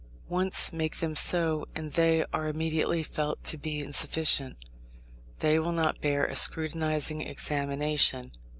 Once make them so, and they are immediately felt to be insufficient. They will not bear a scrutinizing examination.